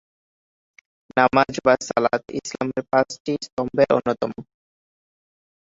নামায বা সালাত ইসলামের পাঁচটি স্তম্ভের অন্যতম।